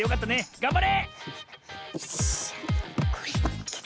がんばれ！